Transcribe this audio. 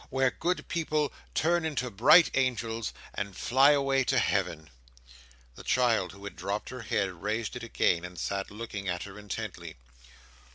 Where good people turn into bright angels, and fly away to Heaven!" The child, who had dropped her head, raised it again, and sat looking at her intently.